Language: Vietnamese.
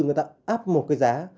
người ta áp một cái giá